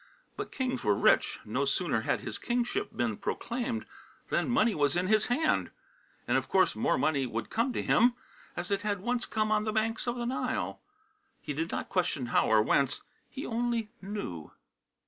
But kings were rich; no sooner had his kingship been proclaimed than money was in his hand. And, of course, more money would come to him, as it had once come on the banks of the Nile. He did not question how nor whence. He only knew.